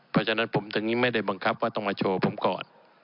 เพราะฉะนั้นผมถึงไม่ได้บังคับว่าต้องมาโชว์ผมก่อน